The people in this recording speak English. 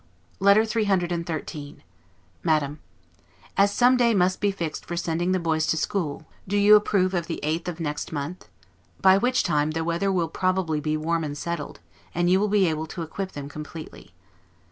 LETTER CCCXIII MADAM: As some day must be fixed for sending the boys to school, do you approve of the 8th of next month? By which time the weather will probably be warm and settled, and you will be able to equip them completely.